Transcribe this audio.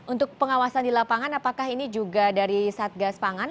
untuk pengawasan di lapangan apakah ini juga dari satgas pangan